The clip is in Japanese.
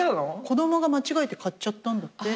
子供が間違えて買っちゃったんだって。